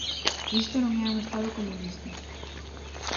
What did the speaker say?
Isto non é un estado comunista.